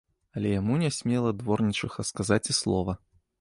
Але яму не смела дворнічыха сказаць і слова.